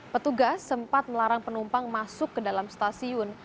petugas sempat melarang penumpang masuk ke dalam stasiun